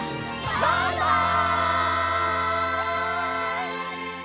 バイバイ！